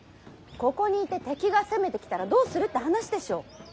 ここにいて敵が攻めてきたらどうするって話でしょう。